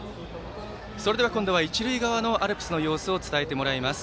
それでは今度は一塁側のアルプスの様子を伝えてもらいます。